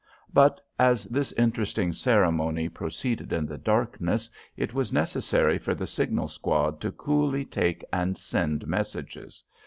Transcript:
But, as this interesting ceremony proceeded in the darkness, it was necessary for the signal squad to coolly take and send messages.